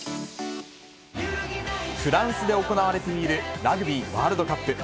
フランスで行われている、ラグビーワールドカップ。